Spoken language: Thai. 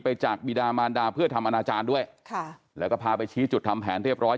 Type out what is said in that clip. จากบิดามานดาเพื่อทำอนาจารย์ด้วยค่ะแล้วก็พาไปชี้จุดทำแผนเรียบร้อย